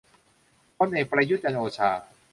พลเอก ประยุทธ์ จันทร์โอชา